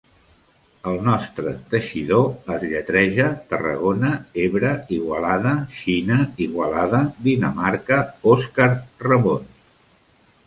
El nostre 'Teixidor' es lletreja Tarragona-Ebre-Igualada-Xina-Igualada-Dinamarca-Òscar-Ramon.